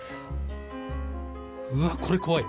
うわっこれ怖い。